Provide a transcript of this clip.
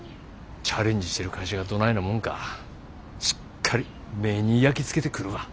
チャレンジしてる会社がどないなもんかしっかり目に焼き付けてくるわ。